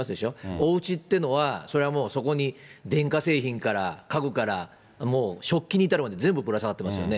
おうちってのは、そりゃもう、そこに電化製品から家具から、もう食器に至るまで全部ぶら下がってますよね。